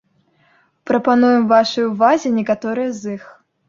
Прапануем вашай увазе некаторыя з іх.